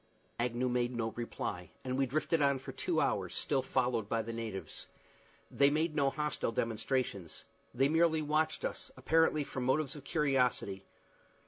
Agnew made no reply, and we drifted on for two hours, still followed by the natives. They made no hostile demonstrations. They merely watched us, apparently from motives of curiosity.